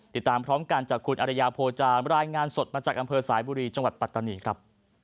ติดตามพร้อมกันจากคุณอรยาโพจารายงานสดมาจากอำเภอสายบุรีจังหวัดปัตตานีครับ